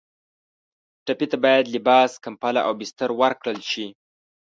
ټپي ته باید لباس، کمپله او بستر ورکړل شي.